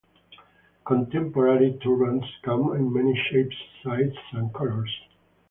Contemporary turbans come in many shapes, sizes and colours.